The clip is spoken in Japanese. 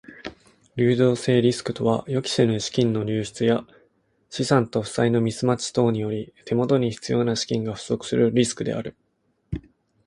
流動性リスクとは予期せぬ資金の流出や資産と負債のミスマッチ等により手元に必要な資金が不足するリスクである。